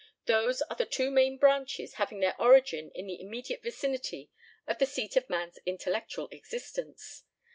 Those are the two main branches having their origin in the immediate vicinity of the seat of man's intellectual existence.